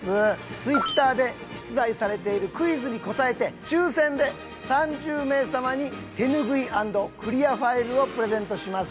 ツイッターで出題されているクイズに答えて抽選で３０名様に手ぬぐい＆クリアファイルをプレゼントします。